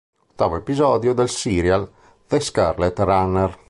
Ottavo episodio del serial "The Scarlet Runner".